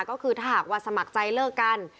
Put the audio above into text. ก็คือถ้าหากว่าสมัครใจเลิกกัน